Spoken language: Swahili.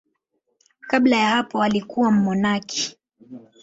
Kabla ya hapo alikuwa mmonaki.